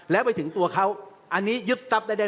แล้วไปถึงตัวเขาอันนี้ยึดทรัพย์ได้